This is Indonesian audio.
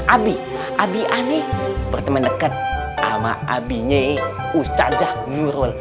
abi abi aneh berteman deket sama abinya ustadz januyo